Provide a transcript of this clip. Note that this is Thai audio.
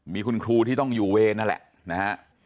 มีคุณครูที่ต้องอยู่เวรนั่นแหละนะฮะ